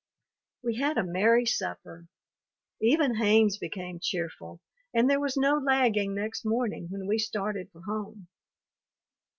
We had a merry supper; even Haynes became cheerful, and there was no lagging next morning when we started for home.